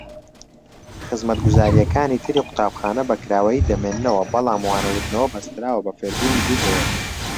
خزمەتگوزاریەکانی تری قوتابخانە بەکراوەیی دەمینێنەوە بەڵام وانەوتنەوە بەستراوە بە فێربوونی دوور لەیەک.